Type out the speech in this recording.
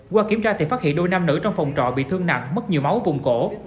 qua kiểm tra thì phát hiện đôi nam nữ trong phòng trọ bị thương nặng mất nhiều máu vùng cổ